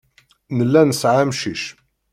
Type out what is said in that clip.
Nella nesɛa amcic.